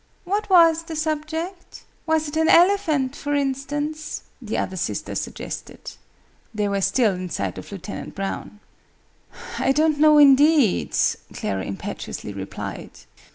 What was the subject?" "Was it an elephant, for instance?" the other sister suggested. They were still in sight of Lieutenant Brown. "I don't know, indeed!" Clara impetuously replied.